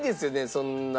そんな。